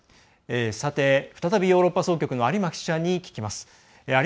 さて、再びヨーロッパ総局の有馬記者に聞きます。